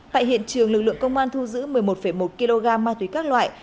tại hiện trường lực lượng công an thu giữ một mươi một một kg ma túy các loại